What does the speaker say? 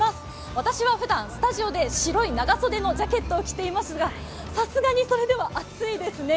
私は普段、スタジオで白い長袖のジャケットを着ていますがさすがにそれでは暑いですね。